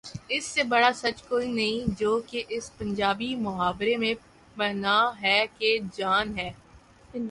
اس سے بڑا سچ کوئی نہیں جو کہ اس پنجابی محاورے میں پنہاں ہے کہ جان ہے۔